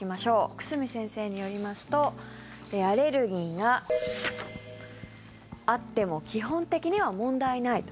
久住先生によりますとアレルギーがあっても基本的には問題ないと。